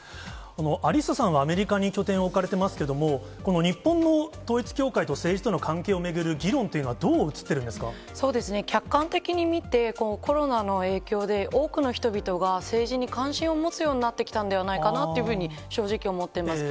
アリッサさんはアメリカに拠点を置かれていますけれども、この日本の統一教会と政治との関係を巡る議論というのはどう映っそうですね、客観的に見て、コロナの影響で、多くの人々が政治に関心を持つようになってきたんではないかなというふうに正直思っています。